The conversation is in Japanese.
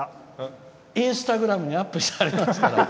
インスタグラムにアップされていますから。